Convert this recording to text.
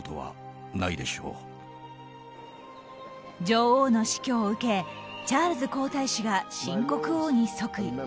女王の死去を受けチャールズ皇太子が新国王に即位。